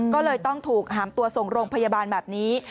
ก็เลยต้องถูกหามตัวส่งโรงพยาบาลแบบนี้